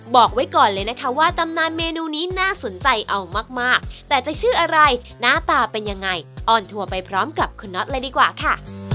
บอกไว้ก่อนเลยนะคะว่าตำนานเมนูนี้น่าสนใจเอามากแต่จะชื่ออะไรหน้าตาเป็นยังไงออนทัวร์ไปพร้อมกับคุณน็อตเลยดีกว่าค่ะ